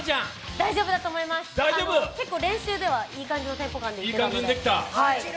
大丈夫だと思います、練習ではいい感じのテンポ感でした。